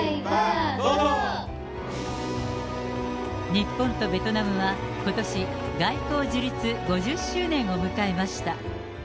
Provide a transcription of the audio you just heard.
日本とベトナムは、ことし、外交樹立５０周年を迎えました。